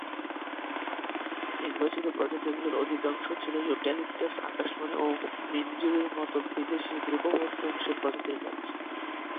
নির্বাচিত প্রজাতিগুলির অধিকাংশ ছিল ইউক্যালিপটাস, আকাশমণি ও মিনজিরির মতো বিদেশি দ্রুতবর্ধনশীল প্রজাতির গাছ।